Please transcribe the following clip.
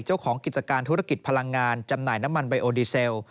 เจ้าของกิจการธุรกิจพลังงานจำหน่ายน้ำมันไบโอดีเซล